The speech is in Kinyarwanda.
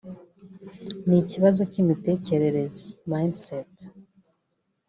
ni ikibazo cy’imitekerereze (mindset)